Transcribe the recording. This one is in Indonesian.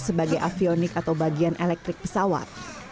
sebagai avionik atau bagian elektrik pesawat